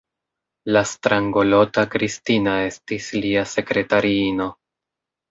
La strangolota Kristina estis lia sekretariino.